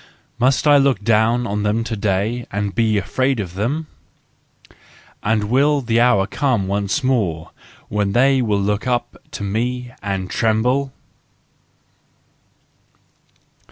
Must I look down on them to day, and be afraid of them? And will the hour come once more when they will look up to me, and tremble